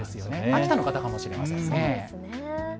秋田の方かもしれません。